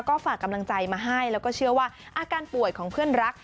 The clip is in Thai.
ก็ฝากกำลังใจมาให้แล้วก็เชื่อว่าอาการป่วยของเพื่อนรัก